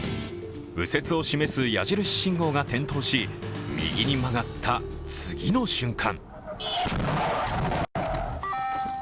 右折を示す矢印信号が点灯し、右に曲がった次の瞬間。